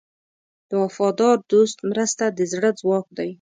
د وفادار دوست مرسته د زړه ځواک دی.